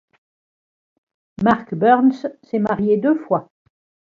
Mark Burns s'est marié deux fois.